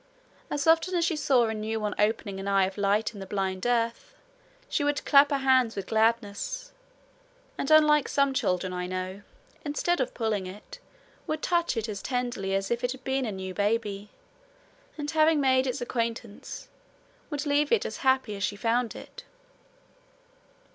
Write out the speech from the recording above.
As often as she saw a new one opening an eye of light in the blind earth, she would clap her hands with gladness, and unlike some children I know, instead of pulling it, would touch it as tenderly as if it had been a new baby, and, having made its acquaintance, would leave it as happy as she found it.